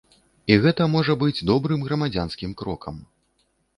І гэта можа быць добрым грамадзянскім крокам.